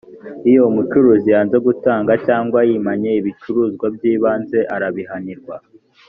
iyo umucuruzi yanze gutanga cyangwa yimanye ibicuruzwa by’ibanze, arabihanirwa